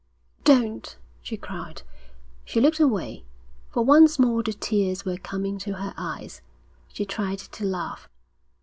'Don't,' she cried. She looked away, for once more the tears were coming to her eyes. She tried to laugh.